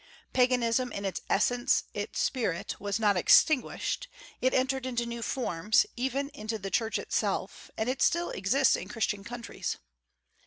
Paganism in its essence, its spirit, was not extinguished; it entered into new forms, even into the Church itself; and it still exists in Christian countries.